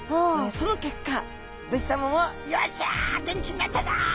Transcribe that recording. その結果武士さまも「よっしゃ元気になったぞ」。